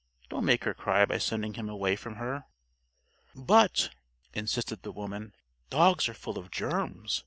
Don't make her cry by sending him away from her." "But," insisted the woman, "dogs are full of germs.